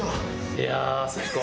いやあ最高！